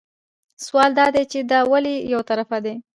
سوال دا دی چې دا ولې یو طرفه دي.